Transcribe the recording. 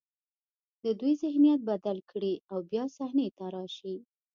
د دوی ذهنیت بدل کړي او بیا صحنې ته راشي.